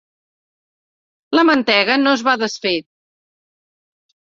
La mantega no es va desfer.